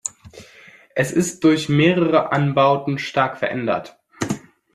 Es ist durch mehrere Anbauten stark verändert.